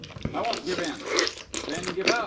"I won't give in!" "Then give out!"